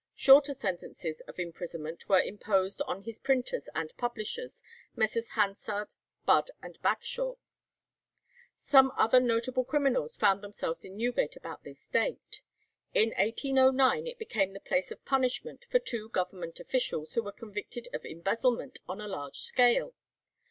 Shorter sentences of imprisonment were imposed on his printers and publishers, Messrs. Hansard, Budd, and Bagshaw. Some other notable criminals found themselves in Newgate about this date. In 1809 it became the place of punishment for two Government officials who were convicted of embezzlement on a large scale.